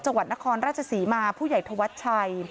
จังหวัดนครราชศรีมาผู้ใหญ่ธวัชชัย